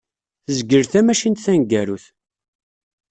Tezgel tamacint taneggarut.